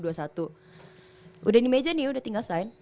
udah di meja nih udah tinggal sign